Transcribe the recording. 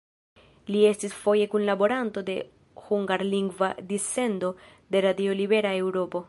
Li estis foje kunlaboranto de hungarlingva dissendo de Radio Libera Eŭropo.